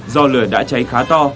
do lửa đã cháy khá to